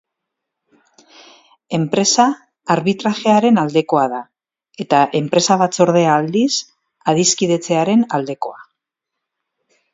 Enpresa arbitrajearen aldekoa da eta enpresa batzordea aldiz, adiskidetzearen aldekoa.